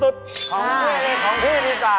อ้าวของพี่นี่ค่ะ